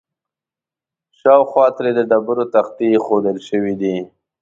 شاوخوا ترې د ډبرو تختې ایښودل شوي دي.